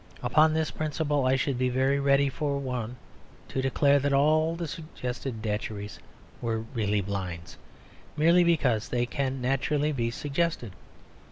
Upon this principle I should be very ready for one to declare that all the suggested Datcherys were really blinds; merely because they can naturally be suggested.